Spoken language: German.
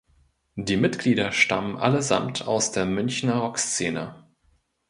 Die Mitglieder stammen allesamt aus der Münchner Rockszene.